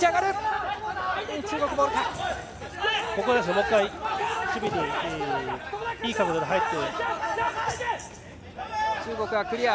もう１回、守備にいい形で入って。